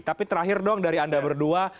tapi terakhir dong dari anda berdua